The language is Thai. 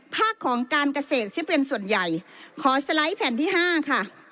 ภาคของการเกษตรซะเป็นส่วนใหญ่ขอสไลด์แผ่นที่๕ค่ะ